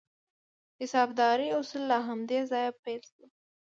د حسابدارۍ اصول له همدې ځایه پیل شول.